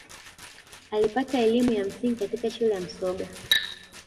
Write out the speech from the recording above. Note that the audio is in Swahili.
alipata elimu ya msingi katika shule ya msoga